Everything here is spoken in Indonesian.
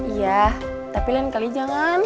iya tapi lain kali jangan